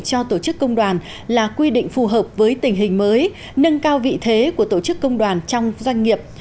cho tổ chức công đoàn là quy định phù hợp với tình hình mới nâng cao vị thế của tổ chức công đoàn trong doanh nghiệp